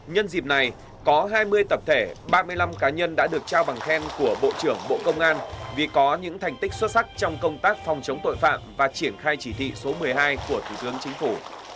nhân dịp này có hai mươi tập thể ba mươi năm cá nhân đã được trao bằng khen của bộ trưởng bộ công an vì có những thành tích xuất sắc trong công tác phòng chống tội phạm và triển khai chỉ thị số một mươi hai của thủ tướng chính phủ